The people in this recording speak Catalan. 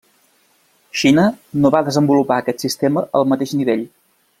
Xina no va desenvolupar aquest sistema al mateix nivell.